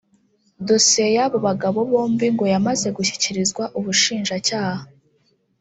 Dosiye y’abo bagabo bombi ngo yamaze gushyikirizwa ubushinjacyaha